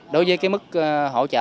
đối với mức hỗ trợ